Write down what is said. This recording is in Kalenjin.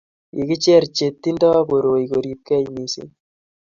kikicher cher che tingdoi koroi koribgei mising